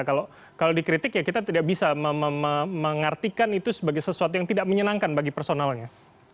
kalau dikritik ya kita tidak bisa mengartikan itu sebagai sesuatu yang tidak menyenangkan bagi personalnya